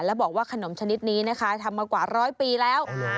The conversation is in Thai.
แล้วบอกว่าขนมชนิดนี้นะคะทำมากว่าร้อยปีแล้ว